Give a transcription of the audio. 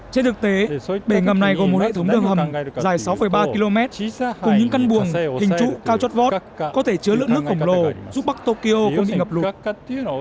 trên thực tế bể ngầm này gồm một hệ thống đường hầm dài sáu ba km cùng những căn buồng hình trụ cao chót vót có thể chứa lượng nước khổng lồ giúp bắc tokyo không bị ngập lụt